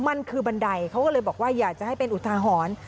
มันคือบันไดเขาก็เลยบอกว่าอยากจะให้เป็นอุทาหรณ์